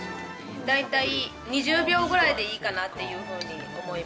大体２０秒ぐらいでいいかなっていうふうに思います。